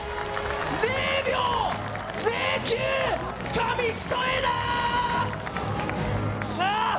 ０秒０９、紙一重だ！